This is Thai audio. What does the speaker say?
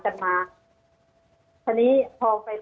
อันดับที่สุดท้าย